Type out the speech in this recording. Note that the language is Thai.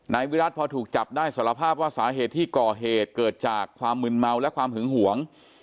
วิรัติพอถูกจับได้สารภาพว่าสาเหตุที่ก่อเหตุเกิดจากความมึนเมาและความหึงหวง